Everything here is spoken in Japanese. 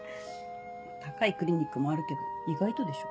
高いクリニックもあるけど意外とでしょ。